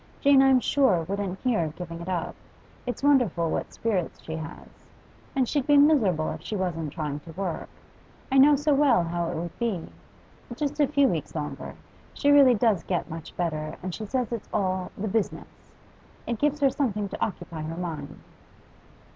Jane, I'm sure, wouldn't hear of giving it up. It's wonderful what spirits she has. And she'd be miserable if she wasn't trying to work I know so well how it would be. Just a few weeks longer. She really does get much better, and she says it's all "the business." It gives her something to occupy her mind.